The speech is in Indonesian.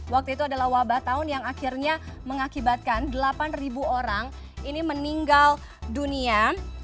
waktu itu adalah wabah tahun yang akhirnya mengakibatkan delapan orang ini meninggal dunia